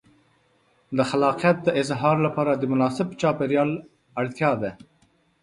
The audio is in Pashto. د خلاقیت د اظهار لپاره د مناسب چاپېریال اړتیا ده.